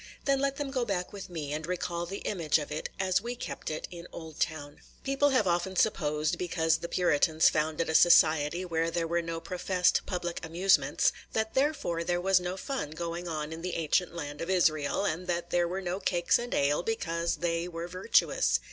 Then let them go back with me, and recall the image of it as we kept it in Oldtown. People have often supposed, because the Puritans founded a society where there were no professed public amusements, that therefore there was no fun going on in the ancient land of Israel, and that there were no cakes and ale, because they were virtuous.